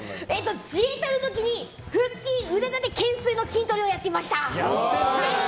自衛隊の時に腹筋、腕立て、懸垂の筋トレをやっていました！